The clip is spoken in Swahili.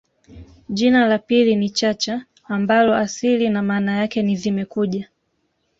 jina la pili ni Chacha ambalo asili na maana yake ni zimekuja